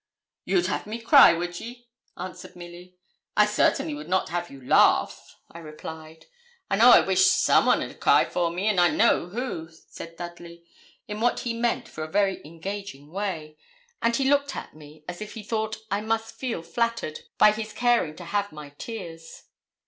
'You'd have me cry, would ye?' answered Milly. 'I certainly would not have you laugh,' I replied. 'I know I wish some one 'ud cry for me, and I know who,' said Dudley, in what he meant for a very engaging way, and he looked at me as if he thought I must feel flattered by his caring to have my tears.